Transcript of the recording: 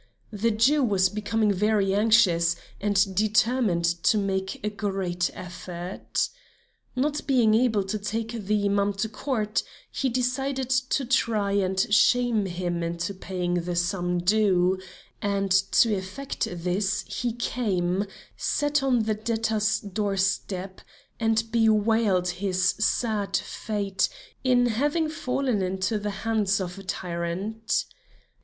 The Jew was becoming very anxious and determined to make a great effort. Not being able to take the Imam to court, he decided to try and shame him into paying the sum due; and to effect this, he came, sat on his debtor's doorstep and bewailed his sad fate in having fallen into the hands of a tyrant.